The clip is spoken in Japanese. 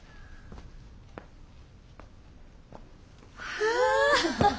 はあ！